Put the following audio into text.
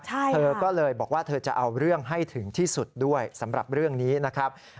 เธอก็เลยบอกว่าเธอจะเอาเรื่องให้ถึงที่สุดด้วยสำหรับเรื่องนี้นะครับ